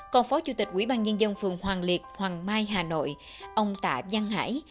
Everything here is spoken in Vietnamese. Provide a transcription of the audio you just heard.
còn phó chủ tịch quỹ ban dân dân phường hoàng liệt hoàng mai hà nội ông tạ văn hải